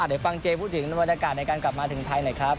เดี๋ยวฟังเจพูดถึงบรรยากาศในการกลับมาถึงไทยหน่อยครับ